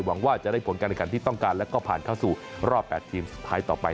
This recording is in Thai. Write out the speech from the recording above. หวังว่าจะได้ผลการแข่งขันที่ต้องการแล้วก็ผ่านเข้าสู่รอบ๘ทีมสุดท้ายต่อไป